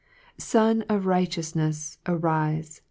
3 Sun of Righteoufnefs, arjfe!